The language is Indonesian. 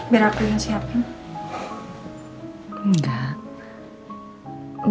biar aku yang siapin